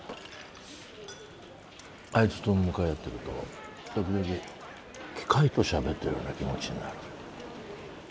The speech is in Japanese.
あいつと向かい合ってると時々機械としゃべってるような気持ちになる。